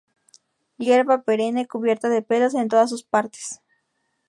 Hierba perenne, cubierta de pelos en todas sus partes.